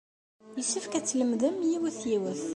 Yessefk ad tlemdem yiwet, yiwet.